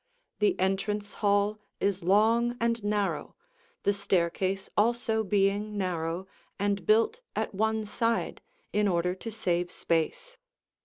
The entrance hall is long and narrow, the staircase also being narrow and built at one side in order to save space.